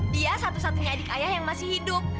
dia satu satunya adik ayah yang masih hidup